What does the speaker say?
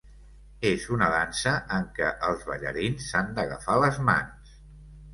És una dansa en què els ballarins s'han d'agafar les mans.